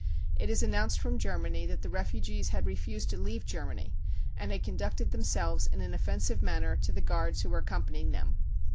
It is announced from Germany that the refugees had refused to leave Germany and had conducted themselves in an offensive manner to the guards who were accompanying them."